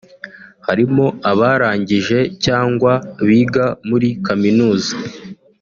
Harimo abarangije cyangwa biga muri Kaminuza